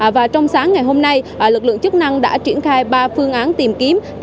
và trong sáng ngày hôm nay lực lượng chức năng đã triển khai ba phương án tìm kiếm cứu nạn cứu hộ